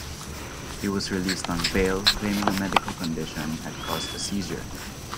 He was released on bail claiming a medical condition had caused a seizure.